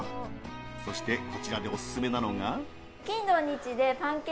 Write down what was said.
そしてこちらでオススメなのが。